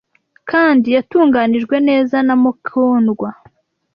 kandi yatunganijwe neza na mukundwa